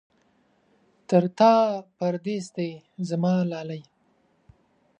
تر تا پردېس دی زما لالی.